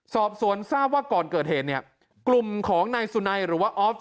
สอบสวนทราบว่าก่อนเกิดเหตุเนี่ยกลุ่มของนายสุนัยหรือว่าออฟ